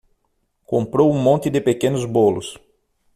Comprou um monte de pequenos bolos